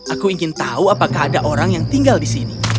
aku ingin tahu apakah ada orang yang tinggal di sini